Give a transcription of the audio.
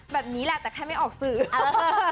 แบบนี้แหละแต่ขาดเกินก็ไม่ดี